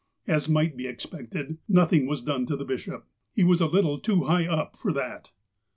As might be expected, nothing was done to the bishop. He was a little too high up for that.